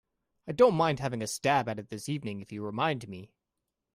I don't mind having a stab at it this evening if you remind me.